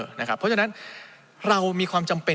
เพราะฉะนั้นเรามีความจำเป็น